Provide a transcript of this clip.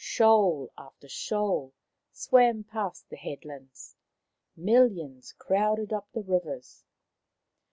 Shoal after shoal swam past the headlands ; mil lions crowded up the rivers.